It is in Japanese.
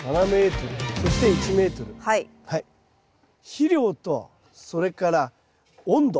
肥料とそれから温度